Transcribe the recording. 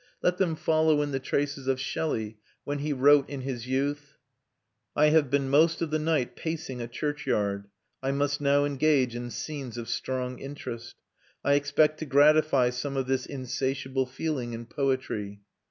Let them follow in the traces of Shelley when he wrote in his youth: "I have been most of the night pacing a church yard. I must now engage in scenes of strong interest.... I expect to gratify some of this insatiable feeling in poetry....